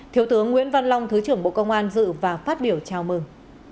thiếu tướng nguyễn văn long thứ trưởng bộ công an dự và phát biểu chào mừng